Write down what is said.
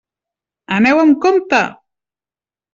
Aneu amb compte!